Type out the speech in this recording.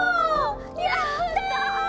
やった！